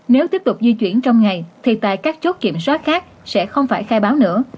nếu tiếp tục di chuyển trong ngày thì tại các chốt kiểm soát khác sẽ không phải khai báo nữa